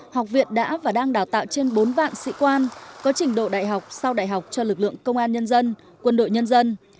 học viện đã và đang đào tạo trên bốn vạn sĩ quan có trình độ đại học sau đại học cho lực lượng công an nhân dân quân đội nhân dân